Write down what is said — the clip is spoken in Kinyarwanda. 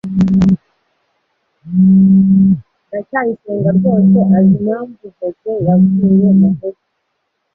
ndacyayisenga rwose azi impamvu joze yavuye mumujyi